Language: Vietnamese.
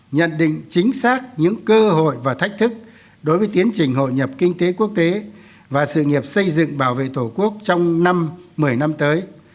nhận định chính xác những cơ hội và thách thức đối với tiến trình hội nhập kinh tế quốc tế và sự nghiệp xây dựng bảo vệ tổ quốc trong năm một mươi năm tới